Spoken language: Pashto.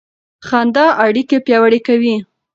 خندا اړیکې پیاوړې کوي.